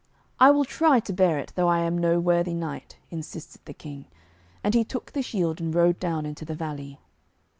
'I will try to bear it, though I am no worthy knight,' insisted the King; and he took the shield and rode down into the valley.